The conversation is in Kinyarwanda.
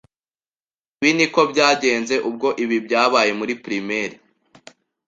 Ibi niko byagenze ubwo ibi byabaye muri primaire